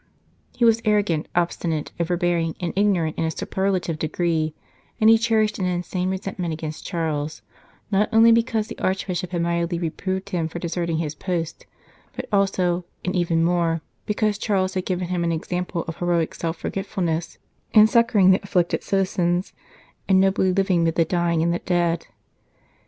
He was arrogant, obstinate, overbearing, and ignorant in a superlative degree, and he cherished 156 "Not Peace, but the Sword" an insane resentment against Charles, not only because the Archbishop had mildly reproved him for deserting his post, but also, and even more, because Charles had given him an example of heroic self forgetfulness in succouring the afflicted citizens and nobly living mid the dying and the dead.